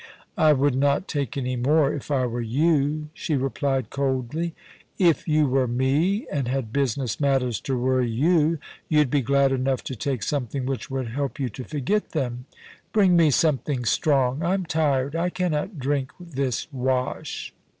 * I would not take any more, if I were you,' she replied coldly. * If you were me, and had business matters to worry you, you'd be glad enough to take something which would help you to forget them. Bring me something strong. I'm tired ; I cannot drink this wash.'